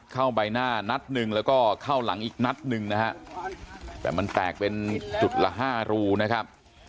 ใบหน้านัดหนึ่งแล้วก็เข้าหลังอีกนัดหนึ่งนะฮะแต่มันแตกเป็นจุดละห้ารูนะครับ